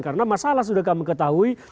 karena masalah sudah kami ketahui